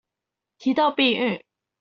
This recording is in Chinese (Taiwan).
提到避孕